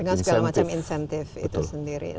dengan segala macam insentif itu sendiri